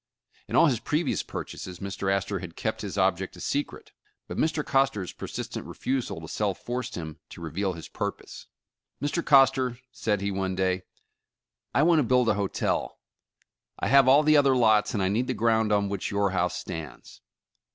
In all his previous purchases, Mr. Astor had kept his object a secret, but Mr. Coster's persistent refusal to sell forced him to reveal his purpose. *'Mr. Coster," said he, one day, '^I want to build a hotel. I have all the other lots, and I need the ground on which your house stands.